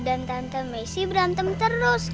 dan tante messi berantem terus